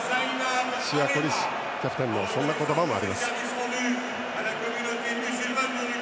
シヤ・コリシキャプテンのそんな言葉もあります。